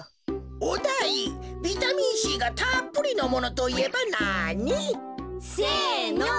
おだいビタミンＣがたっぷりのものといえばなに？せの！